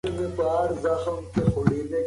انارګل په خپل ځان کې د مسؤلیت احساس کاوه.